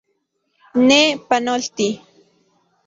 Ne, ¡panolti!